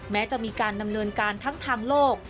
แม้จะมีการดำเนินการทั้งทางโลก